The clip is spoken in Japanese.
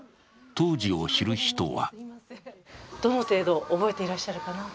当時を知る人はどの程度覚えていらっしゃるかな？